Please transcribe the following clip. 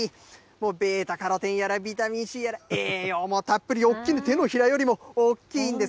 もうベータカロテンやら、ビタミンＣやら、栄養もたっぷり、おっきい、手のひらよりも大きいんです。